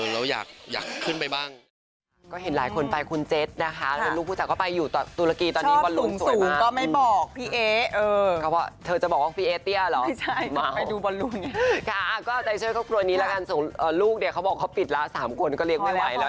แล้วอยากขึ้นไปบ้าง